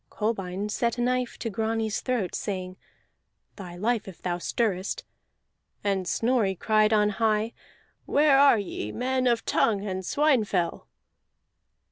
Kolbein set a knife to Grani's throat, saying: "Thy life if thou stirrest." And Snorri cried on high: "Where are ye, men of Tongue and Swinefell?"